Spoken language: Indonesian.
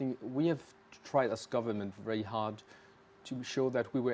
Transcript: uni eropa sekarang telah menciptakan